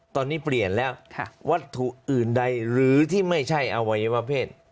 ตอนนี้เปลี่ยนแล้ววัตถุอื่นใดหรือที่ไม่ใช่อวัยวเพศ